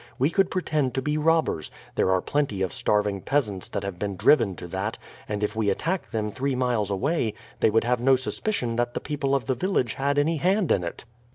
We could pretend to be robbers; there are plenty of starving peasants that have been driven to that, and if we attack them three miles away they would have no suspicion that the people of the village had any hand in it."